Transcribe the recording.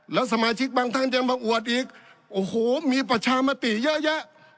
แล้วสมาชิกบางท่านยังมาอวดอีกโอ้โหมีประชามติเยอะแยะ